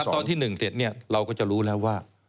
ตอนที่๑เสร็จเราก็จะรู้แล้วว่า